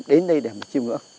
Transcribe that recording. đến đây để chiêm ngưỡng